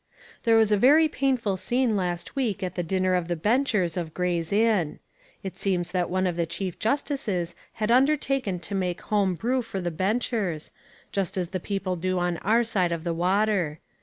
There was a very painful scene last week at the dinner of the Benchers of Gray's Inn. It seems that one of the chief justices had undertaken to make home brew for the Benchers, just as the people do on our side of the water.